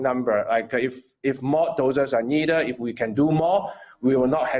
jika lebih banyak tabung oksigen diperlukan jika kita bisa melakukan lebih banyak